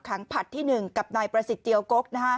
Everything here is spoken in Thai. ขังผัดที่หนึ่งกับนายประศิษฐ์เจียวกก